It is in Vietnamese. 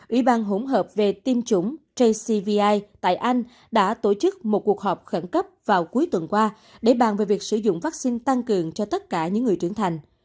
ủy ban hỗn hợp về tiêm chủng jcvi tại anh đã tổ chức một cuộc họp khẩn cấp vào cuối tuần qua để bàn về việc sử dụng vaccine tăng cường cho tất cả những người trưởng thành